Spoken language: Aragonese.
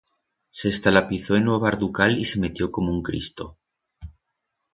S'estalapizó en o barducal y se metió como un cristo.